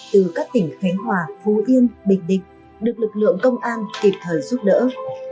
từ các tỉnh khánh hòa phú yên bình định được lực lượng công an kịp thời giúp đỡ